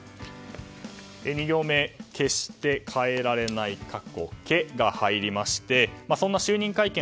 ２行目、決して変えられない過去「ケ」が入りましてそんな就任会見